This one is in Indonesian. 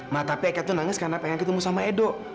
ma tapi eka tuh nangis karena pengen ketemu sama edo